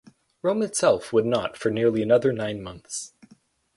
Rome itself would not for nearly another nine months.